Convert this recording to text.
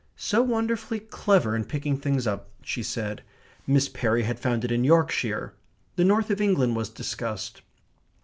"So wonderfully clever in picking things up," she said. Miss Perry had found it in Yorkshire. The North of England was discussed.